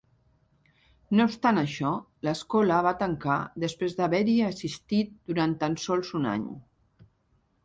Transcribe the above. No obstant això, l'escola va tancar després d'haver-hi assistit durant tan sols un any.